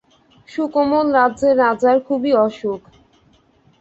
সুকোমল রাজ্যের রাজার খুবই অসুখ।